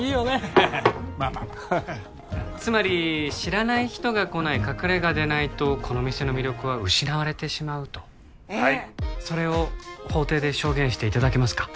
まあまあまあつまり知らない人が来ない隠れ家でないとこの店の魅力は失われてしまうとはいそれを法廷で証言していただけますか？